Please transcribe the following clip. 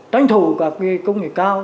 tranh thủ các công nghệ cao